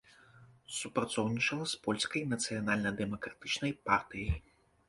Супрацоўнічала з польскай нацыянальна-дэмакратычнай партыяй.